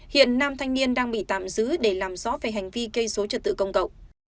hiện nam thanh niên đang bị tạm giữ để làm rõ về hành vi gây số trật tự công cộng